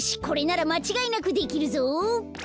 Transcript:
これならまちがいなくできるぞ。